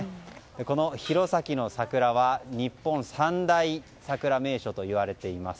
この弘前の桜は日本三大桜名所といわれています。